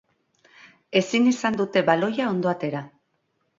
Ezin izan dute baloia ondo atera.